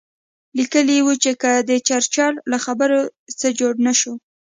لیکلي یې وو چې که د چرچل له خبرو څه جوړ نه شو.